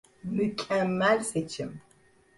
Mükemmel seçim.